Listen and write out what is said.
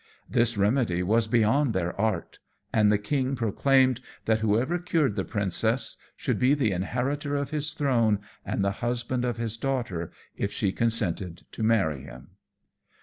This remedy was beyond their art, and the king proclaimed that whoever cured the princess should be the inheritor of his throne and the husband of his daughter, if she consented to marry him.